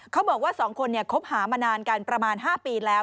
เขาบอกว่าสองคนเนี่ยคบหามานานกันประมาณ๕ปีแล้ว